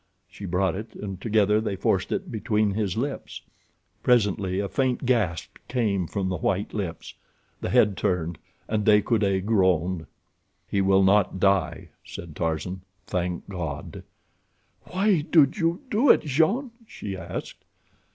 She brought it, and together they forced it between his lips. Presently a faint gasp came from the white lips. The head turned, and De Coude groaned. "He will not die," said Tarzan. "Thank God!" "Why did you do it, Jean?" she asked.